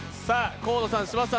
河野さん、嶋佐さん